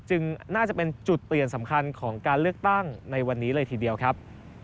น่าจะเป็นจุดเปลี่ยนสำคัญของการเลือกตั้งในวันนี้เลยทีเดียวครับ